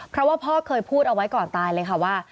เพราะว่าพ่อเคยพูดเอาไว้ก่อนตายเลยค่ะว่า